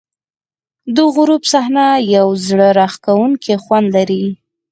د غروب صحنه یو زړه راښکونکی خوند لري.